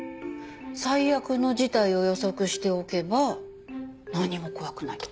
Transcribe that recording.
「最悪の事態を予測しておけば何も怖くない！」